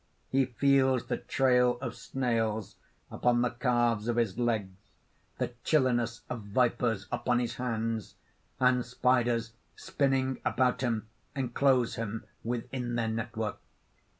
He feels the trail of snails upon the calves of his legs, the chilliness of vipers upon his hands: and spiders spinning about him enclose him within their network.